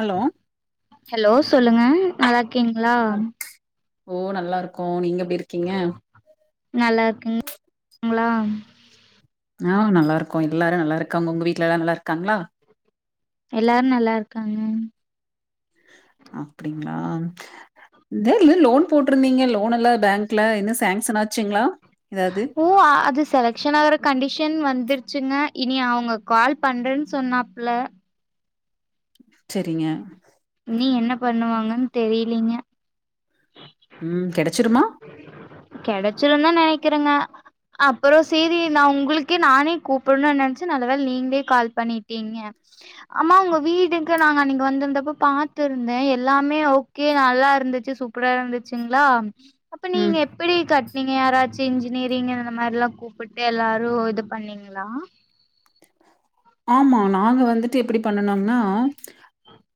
Hello hello சொல்லுங்க நல்லாருக் ஓகேங்களா ஓ நல்லா இருக்கோ நீங்க எப் இருக்கீங்க நல்லா இருக்குங்கங்களா ஆ நல்லா இருக்கோ எல்லாரு நல்லா இருக்காங்க உங்க வீட்டுல எல்லாரு நல்லா இருக்காங்களா எல்லாரும் நல்லா இருக்காங்க அப்டிங்களா [unintelligible] லோன் போட்டிருந்தீங்க லோன் எல்ல பேங்க்ல இன்னும் சங் ஓ அது செலஷன் ஆகுற கண்டிஷன் வந்திருக் ச்சுங்க இனி அவங்க கால் பண்றன்னு சொன்னாப்ல செரிங்க இனி என்ன பண்ணுவாங்கன்னு தெரியிலீங்க ம் கெடைச்சிருமா கெடைச்சிரு தா நெனைக்கிறேங்க அப்றோ சிரி நா உங்களுக்கே நானே கூப்னு நெனைச்சு நல்ல வேல நீங்களே கால் பண்ணிட்டீங்க ஆமா உங்க வீடுக்கு நாங்க அன்னைக்கு வந்திருந்தப்ப பாத்துருந்தே எல்லாமே ஓகே நல்லா இருந்துச்சு சூப் [unintelligible] ருந்துச்சுங்களா அப்ப நீங்க ம் எப்படி கட் நீங்க யாராச்சு இன்ஜினியரிங் அந்த மாதிரில்லா கூப்பிட்டு எல்லாரும் இது பண்ணீங்களா ஆமா நாங்க வந்துட்டு எப்படி பண்ணனோம்னா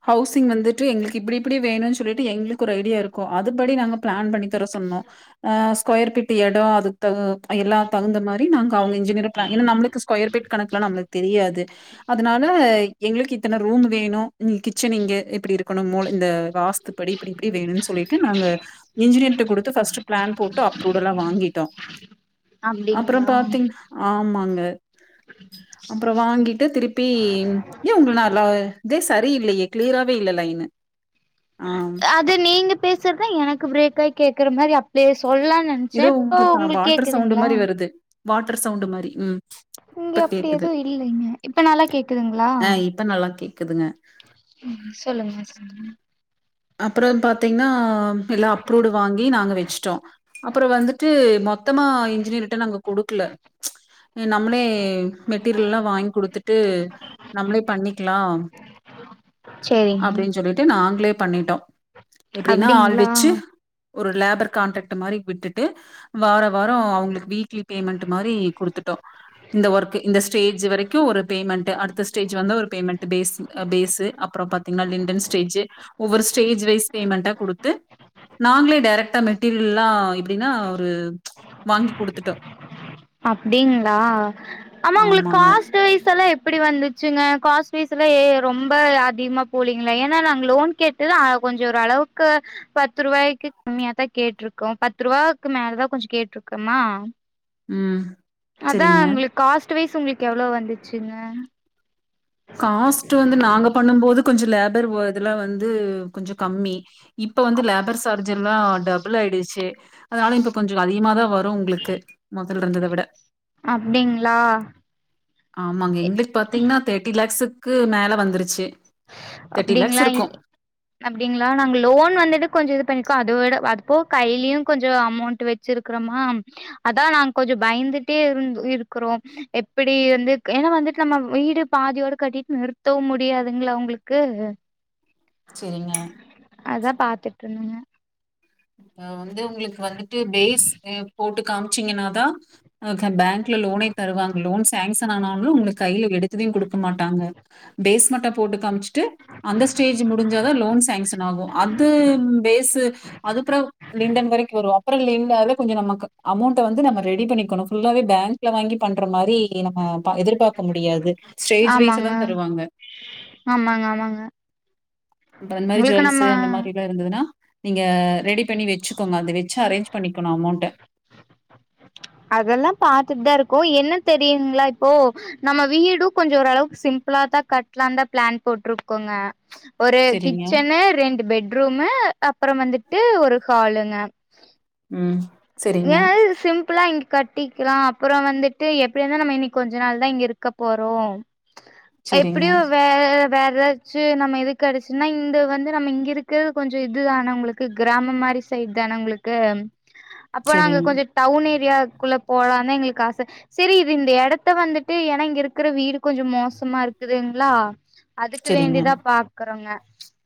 ஹவுசிங் வந்துட்டு எங்களுக்கு இப்படி இப்படி வேணும்னு சொல்லிட்டு எங்களுக்கு ஒரு ஐடியா இருக்கும் அதுபடி நாங்க பிளான் பண்ணி தர சொன்னோம் அ ஸ்கொயர் பீட் இடம் அதுக்குகு எல்லாம் தகுந்த மாதிரி நாங்க அவங்க இன்ஜினியர் பிள ஏன்னா நம்மளுக்கு ஸ்கொயர் பீட் கணக்குெல்லாம் நம்மளுக்கு தெரியாது அதனால எங்களுக்கு இத்தனை ரூம் வேணும் நீ கிச்சன் இங்க இப்படி இருக்கணும் மோ இந்த வாஸ்து படி இப்டி இப்டி வேணுனு சொல்லிட்டு நாங்க இன்ஜினியர்ட்ட குடுத்து ஃபர்ஸ்ட் பிளான் போட்டு அப்ரூடுயெல்லா வாங்கிட்டோ அப்ற அப்டிங்களா பாத்திங் ஆமாங் [unintelligible] அப்றோ வாங்கி டு திருப்பி ஏன் உங்க நல்லா இதே சரி இல்லையே கிளியராவேே இல்லலைனுு அது நீங்க பேசுறதா எனக்கு பிரேக் க கேக்கற மாரி அப் இ சொல்லலாம்னு நினைச்சே ஏதோ இப்போ உங்களுக்கு கேக்குதுங்களா வாட்டரு சவுண்டு மாரி ம் இங்க இப்ப அப்டி கேக்குது எதுவு இல்லைங்க இப்ப நல்லா கேக்குதுங்களா ஆ இப்ப நல்லா கேக்குதுங்க சொல்லுங்க சொல்லுங்க அப்புறம் பாத்தீங்கன்னா எல்லாம் அப்ரூவ்ட் வாங்கி நாங்க வச்சுட்டோம் அப்புறம் வந்துட்டு மொத்தமா இன்ஜினியர்ட்ட நாங்க கொடுக்கல நம்மளே மெட்டீரியல் லா வாங்கி குடுத்துட்டு நம்மளே பண்ணிக்கலா சேரிங்க அப்டின்னு சொல்லிட்டு நாங்களோ பண்ணிட்டோ எப்டினா ஆள் அப்டிங்ளா வெச்சி ஒரு லேபர் கான்ட்ராக்ட் மாரி விட்டுட்டு வாரோ வாரோ அவுங்களுக்கு வீக்லி பேமெண்ட் மாரி குடுத்துட்டோ இந்த ஒர்க் இந்த ஸ்டேஜ் வரைக்கு ஒரு பேமெண்ட் அடுத்த ஸ்டேஜ் வந்து ஒரு பேமெண்ட் பே பேஸு அப்புரோ பாத்தீங்கன்னா லிண்டன் ஸ்டேஜு ஒவ்வொரு ஸ்டேஜ் வைஸ் பேமெண்ட்டா கொடுத்து நாங்களே டைரெக்ட்டா மெட்டீரியல்ல்லா எப்டின்னா ஒரு வாங்கி கொடுத்துட்டோ அப்டிங்களா ஆனா உங்களுக்கு ஆமாங்க காஸ்ட் வைசலா எப்டி அப்டி வந்துச்சிங்க காஸ்ட் பீஸ் எல்லா ரொம்ப அதிகமா போலீங்களா ஏன்னா நாங்க லோன் கேட்டுத கொஞ்சம் ஒரு அளவுக்கு பத்து ரூபாய்க்கு கம்மியாதா கேட்டிருக்கோ பத்து ரூவாக்கு மேலதா கொஞ்சே கேட்டுனருக்கோமா ம் அதா செரிங்க உங்களுக்கு காஸ்ட்ஸ் எட்டு வயசு உங்களுக்கு எவ்ளோ வந்துச்சுங்க காஸ்ட் வந்து நாங்க பண்ணும் போது கொஞ்சம் லேப [unintelligible] இதெல்லா வந்து கொஞ்சம் கம்மி இப்ப வந்து அப் லேபர் சார்ஜ் எல்லா டபுள் ஆயிடுச்சுசி அதனால இப்ப கொஞ்சோ அதிக தான் வரு உங்களுக்கு முதல் இருந்த விட அப்டிங்ளா ஆமாங்க இங்கிலீஷ் பாத்தீங்கன்னா தேர்ட்டி ளெக்ஸுக்கு மேலே வந்துருச்சு தேர்ட்டி லேக்ஸ் அப்டிங்களா இருக்கு அப்டிங்களா நாங்க லோன் வந்துட்டு கொஞ் இது பண்ணி அத விட அதுப்போ கையிலயும் கொஞ்சம் அமௌண்ட் வச்சிருக்கிறோமா அதான் நா கொஞ்சம் பயந்துட்டே இரு இருக்கிறோம் எப்படி வந்து ஏன்னா வந்துட்டு நம்ம வீடு பாதியோட கட்டிட்டு நிறுத்தவும் முடியா ங்களா உங்களுக்கு செரிங்க அத பாத்துட்ருந்தங்க இப்ப வந்து உங்களுக்கு வந்துட்டு பேஸ் அ போட்டு காம்ச்சீங்கன்ன தா அ க பேங்க்ல லோனே தருவாங் லோன் சேங்ஸன் ஆனாலு உங்க கைல எடுத் திதியு குடுக்க மாட்டாங்க பேஸ் மட்டோ போட்டு காம்ச்சி ட்டு அந்த ஸ்டேஜ் முடிஞ்சாதா லோன் சேங்ஸன் ஆகு அது பேஸு லிண்டன் வரைக்கு வருவோ அப்றோ லிண்டாவ கொஞ்ச நமக்கு அமௌண்ட்ட வந்து நம்ம ரெடி பண்ணிக்கனு ஃபுல்லாவே பேங் க்ல வாங்கி பண்ற மாரி நம்ம ப எதிர்பாக்க முடியாது ஸ்டேஜ் வைஸா தா ஆமாங்க தருவாங்க ஆமாங்க ஆமாங்க அப்ப அந் மாரி உங்களுக்கு ஜுவல்ஸு அந்த நம்ம மாரில்லா இருந்தது னா நீங்க ரெடி பண்ணி வெச்சுக்கோங்க அத வெச்சு அரேஞ்ச் பண்ணிக்கனு அமௌண்ட்ட அதெல்லா பாத்துட்டு தா இருக்கோ என்ன தெரியுங்களா இப்போ நம்ம வீடு கொஞ்ச ஓரளவுக்கு சிம்பிளா தா கட்லாந்தா பிளான் போட்ருக்கோங்க ஒரு சரிங்க கிச்சனு, ரெண்டு பெட் ரூமு அப்றம் வந்துட்டு ஒரு ஹாலுங்க ம் சரிங்க ஏ சிம்பிளா இங்க கட்டிக்கலா அப்பறோ வந்துட்டு எப்டி இருந்தாலு நம்ம இனி கொஞ்ச நாள் தா இங்கிருக்க போறோ சரிங்க எப்டியு வே வேற எதா ச்சு நம்ம இது கெடச்சுன்னா இந்து வந்து நம்ம இங்க இருக்கறது கொஞ்ச இது தான உங்களுக்கு கிராமம் மாரி சைட் தான உங்களுக்கு அப்போ நாங்க சரிங்க கொஞ்சோ டவுன் ஏரியா க்குள்ள போலா தா எங்களுக்கு ஆச செரி இது இந்த எடத்த வந்துட்டு ஏனா இங்க இருக்கற வீடு கொஞ்சோ மோசமா இருக்குதுங்ளா அதுக்கு சரிங்க வேண்டிதா பாக்கறோங்க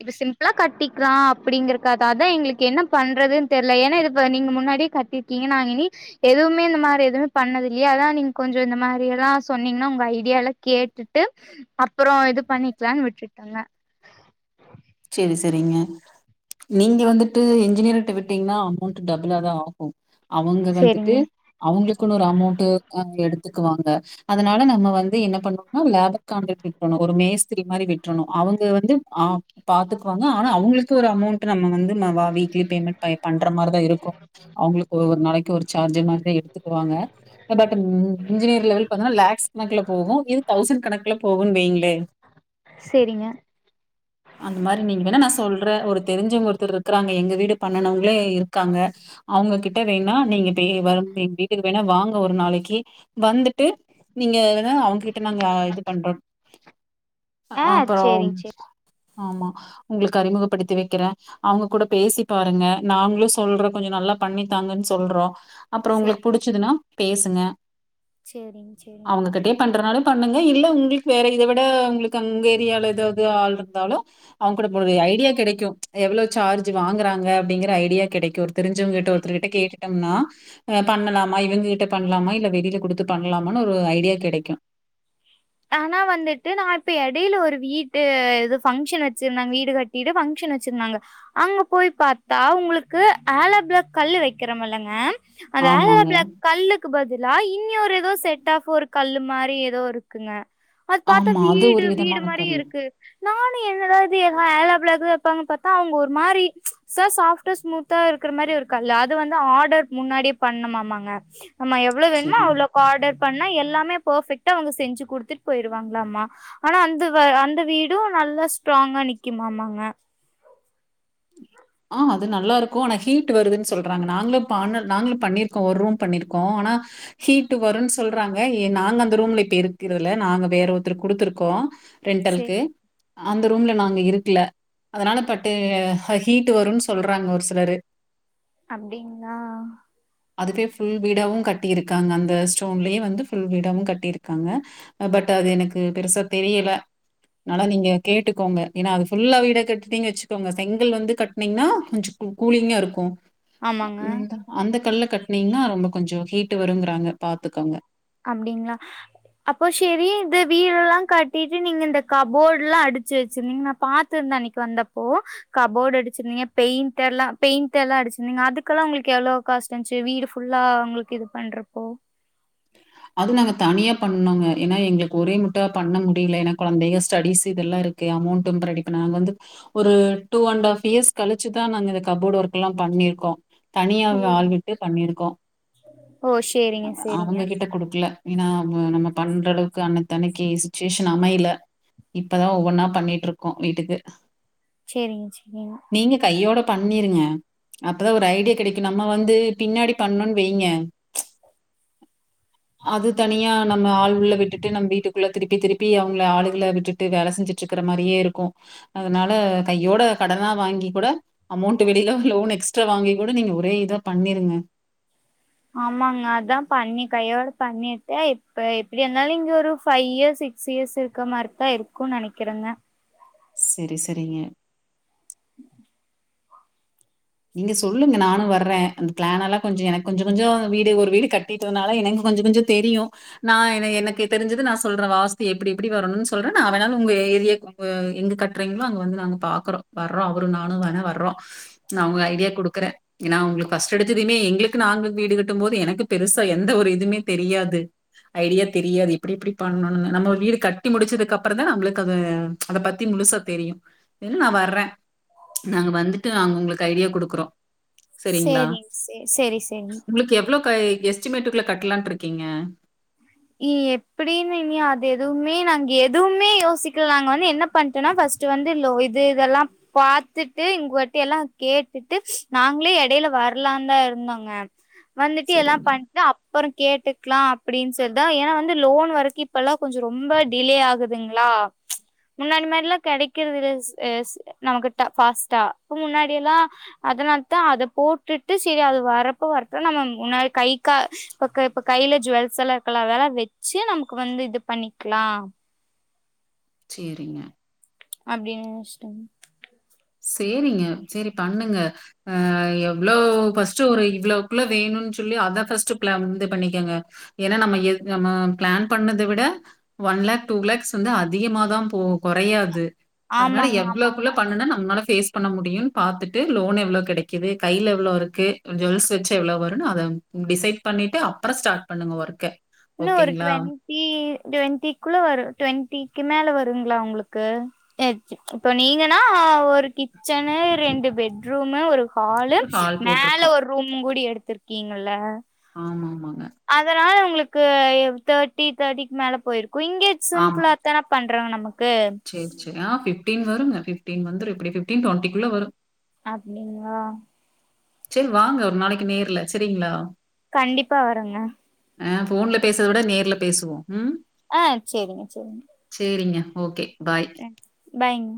இப்ப சிம்பிளா கட்டிக்கலா அப்பிடிங்கறக்காதா அதா எங்களுக்கு என்ன பண்றதுன் தெர்ல ஏனா இது இப்ப நீங்க முன்னாடி கட்டீர்க்கீங்க நாங்க இன்னி எதுவ்மே இந்த மாரி எதுவ்மே பண்ணதில்லியே அதா நீங் கொஞ்சோ இந்த மாரி எல்லா சொன்னீங்னா உங்க ஐடியால்லா கேட்டுட்டு அப்பறோ இது பண்ணிக்கலான் விட்டுட்டங்க [unintelligible] செரிங்க நீங்க வந்துட்டு இன்ஜினியர்ட்ட விட்டீங்ன்னா அமௌண்ட்டு டபுளாதா ஆகு அவங்க வந்துட்டு சேரிங்க அவுங்களுக் குனு ஒரு அமௌண்ட்டு அ எடுத்துக்குவாங்க அதனால நம்ம வந்து என்ன பண்ணுனா லேபர் காண்ட்ரக்ட் விட்டர்னு ஒரு மேஸ்திரி மாரி விட்ரனு அவங்க வந்து ஆ பாத்துக்குவாங்க ஆனா அவங்களுக்கு ஒரு அமௌண்ட்டு நம்ம வந்து ந வா வீக்லி பேமெண்ட் பை பண்ற மாரி தா இருக் கு அவுங்களுக் ஒவ்வொர் நாளைக்கு ஒரு சார்ஜு மா ரி எடுத்துக்குவாங்க பட்டு ம் இன்ஜினியர் லெவல் பாத்தனா லேக்ஸ் கணக்குல போகு இது தௌஸண்ட் கணக்குல போகுன் வெய்ங்ளே செரிங்க அந்த மாரி நீங்க வேணா நா சொல்றே ஒரு தெரிஞ்சவங்க ஒருத்தர்ருக்கறாங்க எங்க வீடு பண்ணுனவ்ங்ளே இருக்காங்க அவங்ககிட்ட வேண்னா நீங்க பே [unintelligible] எங் வீட்டுக்கு வேணா வாங்க ஒரு நாளைக்கு வந்துட்டு நீங்க வந் தா அவுங்க்கிட்ட நாங்க இது பண்றோ அ ஆ அப்பறோ சேரிங்க சேரி ஆமா உங்களுக்கு அறிமுகப்படுத்தி வைக்கிறே அவங்க கூட பேசி பாருங்க நாங்களு சொல்றோ கொஞ்ச நல்லா பண்ணித்தாங்கன்னு சொல்றோ அப்புறோ உங்களுக்கு புடிச்சிதுனா பேசுங்க சரிங்க சரி அவங்ககிட்டயே பண்றனாலும் பண்ணுங்க இல்ல உங்களுக்கு வேற இத விட உங்களுக்கு அங்க ஏரியாவால ஏதாவது ஆள் இருந்தாலு அவங்க கூட ஒரு ஐடியா கெடைக்கு எவ்வளவு சார்ஜ் வாங்குறாங்க அப்டிங்கற ஐடியா கெடைக்கு ஒரு தெரிஞ்சவங்க கிட்ட ஒருத்தர்கிட்ட கேட்டுட்டோம்னா அ பண்ணலாமா இவங்க கிட்ட பண்ணலாமா இல்ல வெளில குடுத்து பண்ணலாமனு ஒரு ஐடியா கெடைக்கு ஆனா வந்துட்டு நா இப்ப இடையில ஒரு வீட்டு இது பங்க்ஷன் வச்சிருந்தாங்க வீடு கட்டிட்டு பங்க்ஷன் வச்சிருந்தாங்க அங்க போய் பாத்தா உங்களுக்கு ஆலோபிலா கல் வக்கிறோம்ல்லங்க அந்த ஆமாங்க. அலோபிலக் கல்லுக்கு பதிலா நீ ஒரு ஏதோ செட் ஆஃப் ஒரு கல்லு மாரி ஏதோ ஒரு இருக்குங்க அது பாத்தா ஆமா. அது வீடு ஒரு வீடு விதமான மாரி கல்லு. இருக்கு நானு என்னடாது ஏதா அலோபிலாக் பாங்க அவங்க ஒரு மாரி ச சாஃப்டா ஸ்மூத்தா இருக்கிற மாரி ஒரு கல்லு அது வந்து ஆர்டர் முன்னாடியே பண்ணணுமா மாங்க ஆமா எவ்ளோ வேணுமோ சரிங்க. அவ்ளோக்கு ஆர்டர் பண்ணா எல்லாமே பர்ஃபெக்டா அவங்க ஸ் செஞ்சு குடுத்துட்டு போயிருவாங்களாம ஆனா அந்த வ அந்த வீடு நல்லா ஸ்ட்ராங்கா நிக்குமாமாங்க ஆ அது நல்லாருக்கு ஆனா ஹீட் வருதுன்னு சொல்றாங்க நாங்களு பாண நாங்களு பண்ணிருக்கோ ஒரு ரூம் பண்ணிருக்கோ ஆனா ஹீட் வருன்னு சொல்றாங்க ஏ நாங்க அந்த ரூம்ல இப்ப இருக்கிறதுல நாங்க வேற ஒருத்தருக்கு குடுத்துருக்கோ ரெண்டலுக்கு சேரி அந் ரூம்ல நாங்க இருக்கல அதனால பட்டு அ ஹீட் வருன்னு சொல்றாங்க ஒரு சில ரு அப்டிங்களா அதுவே ஃபுல் வீடாவு கட்டியிருக்காங்க அந்த ஸ்டோன்லயே வந்து ஃபுல் வீடாவு கட்டியிருக்காங்க பட் அது எனக்கு பெருசா தெரியல அதனால நீங்க கேட்டுக்கோங்க ஏன்னா அது ஃபுல்லா வீட கட்டிடீங்க வச்சுக்கோங்க செங் கல் வந்து கட்டனீங்கன்னா கொஞ்ச கூ கூலிங்கா இருக்கு ஆமாங்க ம் அந்த கல்ல கட்னீங்ன்னா ரொம்ப கொஞ்ச ஹீட் வருங்கிறாங்க பாத்துக்கோங்க அப்புடிங்களா அப்போ சேரி இந்த வீடுல்லா கட்டிட்டு நீங்க இந்த கபோர்ல்லா அடிச்சு வச்சிருந்தீங்க நா பாத்திருந்தே அன்னைக்கி வந்தப்போ கபோர்டு அடிச்சிருந்தீங்க பெயிண்ட்டர்ல்லா பெயிண்டுல்லா அடிச்சிருந்தீங்க அதுக்கெல்லா உங்களுக்கு எவ்ளோ காஷ் வந்துச்சு வீடு ஃபுல்லா உங்களுக்கு இது பண்றப்போ அது நாங்க தனியா பண்னோங்க ஏன்னா எங்களுக்கு ஒரே முட்டா பண்ண முடியல ஏன்னா குழந்தைக ஸ்டடிஸ் இதெல்லா இருக்கு அமௌண்டு ரெடிபண்ண நாங்க வந்து ஒரு டூ அண்ட் ஹாஃப் இயர்ஸ் கழிச்சுதா நாங்க இந்த கப்போர்டு ஒர்க் எல்லா பண்ணிருக்கோ தனியா ஓ ஆள்விட்டு பண்ணிருக்கோ ஓ சேரிங்க சேரிங்க அவங்க கிட்ட ஏன்னா ம நம்ம பண்ற அளவுக்கு அன்ததன்னைக்கு சுச்சுவேஷன் அமையல இப்பதா ஒவ்வொன்னா பண்ணிட்ருக்கோ வீட்டுக்கு சேரிங்க சேரிங்க நீங்க கையோட பண்ணிருங்க அப்பதா ஒரு ஐடியா கெடைக்கு நம்ம வந்து பின்னாடி பண்ணோன்னு வைங்க அது தனியா நம்ம ஆள் உள்ள விட்டுட்டு நம்ம வீட்டுக்குள்ள திருப்பி திருப்பி அவங்கள ஆளுகள விட்டுட்டு வேலை செஞ்சுட்டுருக்கற மாரியே இருக்கு அதனால கையோட கடனா வாங்கி கூட அமௌண்ட் வெளியில லோன் எக்ஸ்ட்ரா வாங்கி கூட நீங்க ஒரே இதா பண்ணிருங்க ஆமாங்க அதா பண்ணி கையோட பண்ணிட்டே இப்ப எப்படி இருந்தாலு இங்க ஒரு ஃபைவ் இயர்ஸ் சிக்ஸ் இயர்ஸ் இருக்க மாரிதா இருக்கு நெனைக்கிறங்க செரி செரிங்க நீங்க சொல்லுங்க நானு வர்றே அந்த பிளான் எல்லா கொஞ்ச எனக்கு கொஞ்ச கொஞ்ச வீடு ஒரு வீடு கட்டிட்டதுனால எனக்கு கொஞ்ச கொஞ்ச தெரியு நா என எனக்கு தெரிஞ்சது நா சொல்ற வாஸ்து எப்புடி எப்புடி வரணும்னு சொல்றே நா வேனாலு உங்க ஏரிய உ எங்க கட்டுறீங்களோ அங்க வந்து நாங்க பாக்குறோ வர்றோ அவரு நானு வேணா வர்றோ நா உங்க ஐடியா குடுக்குறே ஏன்னா அவங்களுக்கு ஃபஸ்ட்டு எடுத்ததுமே எங்களுக்கு நாங்க வீடு கட்டு போது எனக்கு பெருசா எந்த ஒரு இதுவுமே தெரியாது ஐடியா தெரியாது இப்புடி இப்புடி பண்ணணும் நம்ம வீடு கட்டி முடிச்சதுக்கு அப்பறாதா நம்மளுக்கு அத அத பத்தி முழுசா தெரியு ஏன்னு நான் வர்றே நாங்க வந்துட்டு நாங்க உங்களுக்கு ஐடியா குடுக்குறோ சேரிங்க ச சரி சரி இப்பே எஸ்டிமேட்டுக்குள்ள கட்டலான்ட்ருக்கீங்க நீ எப்படின்னு நீ அது எதுவுமே நாங்கேத் துமே யோசிக்குலங் வந்து என்னப் பண்ட்டனா ஃபஸ்ட் வந்துலோ இது இதெல்லா பாத்துட்டு இங்வொட்டி எல்லா கேட்டுட்டு நாங்ளே எடைல வரலான் தா இருந்தோங்க வந்துட்டு எல்லா சரிங்க, பண்ட்டு அப் பறம் கேட்டுக்லா அப்டின்ஸ் தெர்தா ஏனா வந்து லோனு வரக்கி இப்பல்லா கொஞ்ச ரொம்ப டிலே ஆகுதுங்ளா முன்னாடி மேர்ல கெடைக்கிற்தில் செ செ நமக்குட்ட ஃபாஸ்டா ஹூ முன்னாடி எல்லா அதனால்தா அத போட்டுட்டு சிரி அது வரப்ப வரட்டு நம்ம முன்னாடி கை கா பக்க இப்ப கைல ஜுவல்செல்ல கலாவேல வெச்சு நம்க்கு வந்து இது பண்ணிக்லா சேரிங்க அப்டினு வெஷ்டங் சேரிங்க சேரி பண்ணுங்க அ எவ்ளோ ஃபஸ்ட் ஒரு இவ்ளோக்குள்ள வேணுன் சொல்லி அதா ஃபஸ்ட் ப்ளம் இந்து பண்ணிக்கோங்க ஏனா நம்ம எத் நம்ம ப்ளான் பண்ணது விட ஒன் லேக் டூ லேக்ஸ் வந்து அதிகமாத போவ் கொறையாது அதுனால ஆமாங்க ஆமாங்க எவ்ளோக்குள்ள பண்ணுன நா அனா ஃபேஸ் பண்ண முடியுன் பாத்துட்டு லோன் எவ்ளோ கெடக்கிது கைல எவ்ளோ இருக்கு ஜுவல்ஸ் வச்சு எவ்ளோ வருனு அதவ் டிசைட் பண்ணிட்டு அப்பற ஸ்டார்ட் பண்ணுங்க ஒர்க்கே ன்னு ஒரு டுவெண்டி டுவெண்ட்டிக்குள வரு டுவெண்ட்டிக்கு மேல வர் டுங்ளா ஒங்ளுக்கு ஏச் இப்போ நீங்கனா ஒரு கிச்சன்னு ரெண்டு பெட் ரூமு ஒரு ஹாலு ஒரு கால் மேல போட்டுருக்கோம். ஒரு ரூம் கூடி எடு துர்கீங்ல்ல ஆமா ஆமா அதனால உங்ளுக் கு எவ் தேட்டி தேட்டிக் மேல போய்ருக் குயிங்கெட் சிம்புளா தான பண்றோங் நமக் சேர் சே ஆ ஃபிப் டீன் வருங்க ஃப்ஃபிட்டீன் வந்துரு எப்டி ஃபிப்டீன் டொண்டிக்குள்ள வரு அப்டிங்ளா செர் வாங்க ஒரு நாளக்கி நேர்ல செரிங்ளா கண்டிப்பா வறோங்க அ ஃபோன்ல பேசத விட நேர்ல் பேசுவோ அ சேரிங்க சேரிங் சரிங்க. Okay bye. எக்ஸ் பைங்